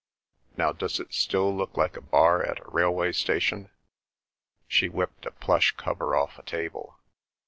"Now, does it still look like a bar at a railway station?" She whipped a plush cover off a table.